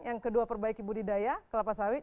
yang kedua perbaiki budidaya kelapa sawit